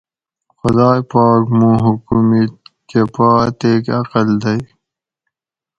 خُدائ پاک مُوں حکومِت کہ پا اتیک عقل دئ